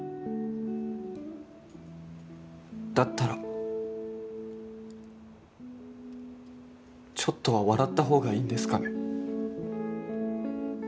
だったらちょっとは笑ったほうがいいんですかね？